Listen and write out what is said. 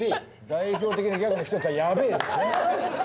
代表的なギャグの一つは「ヤベェ！」ですね